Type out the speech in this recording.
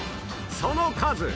その数